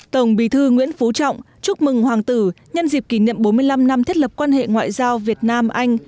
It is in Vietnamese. tổng bí thư nguyễn phú trọng chúc mừng hoàng tử nhân dịp kỷ niệm bốn mươi năm năm thiết lập quan hệ ngoại giao việt nam anh